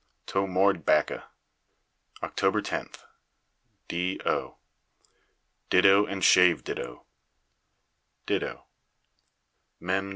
To more bacca Oct. 10th do. Ditto and shave ditto ditto Mem.